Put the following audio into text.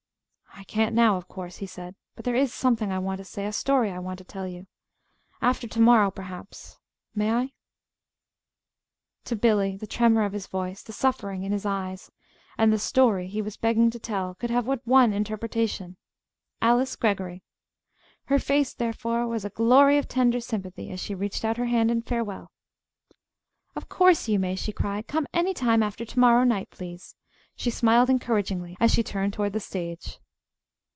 "I can't, now, of course," he said. "But there is something I want to say a story I want to tell you after to morrow, perhaps. May I?" To Billy, the tremor of his voice, the suffering in his eyes, and the "story" he was begging to tell could have but one interpretation: Alice Greggory. Her face, therefore, was a glory of tender sympathy as she reached out her hand in farewell. "Of course you may," she cried. "Come any time after to morrow night, please," she smiled encouragingly, as she turned toward the stage.